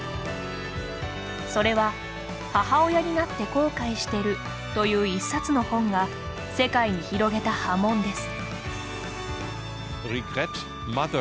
それは「母親になって後悔してる」という一冊の本が世界に広げた波紋です。